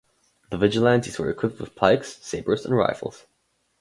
The vigilantes were equipped with pikes, sabres and rifles.